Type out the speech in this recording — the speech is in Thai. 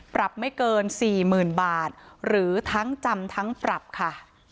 ปรับไม่เกิน๔๐๐๐บาทหรือทั้งจำทั้งปรับค่ะ